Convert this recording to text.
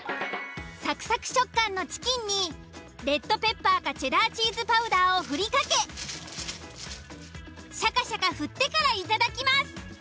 サクサク食感のチキンにレッドペッパーかチェダーチーズパウダーを振りかけシャカシャカ振ってからいただきます。